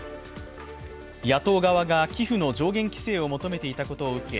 野党側が寄付の上限規制を求めていたことを受け